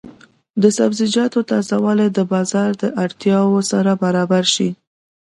د سبزیجاتو تازه والي د بازار د اړتیا سره برابر شي.